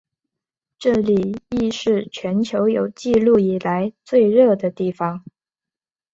这里亦是全球有纪录以来最热的地方。